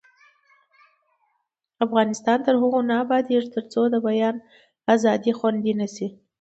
افغانستان تر هغو نه ابادیږي، ترڅو د بیان ازادي خوندي نشي.